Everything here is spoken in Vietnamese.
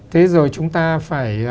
thế rồi chúng ta phải